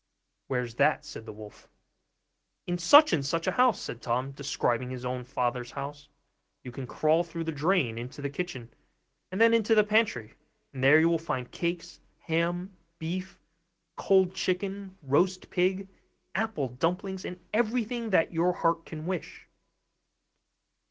'Where's that?' said the wolf. 'In such and such a house,' said Tom, describing his own father's house. 'You can crawl through the drain into the kitchen and then into the pantry, and there you will find cakes, ham, beef, cold chicken, roast pig, apple dumplings, and everything that your heart can wish.